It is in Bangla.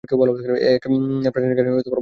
এ প্রাচীন কাহিনী বড় অদ্ভুত।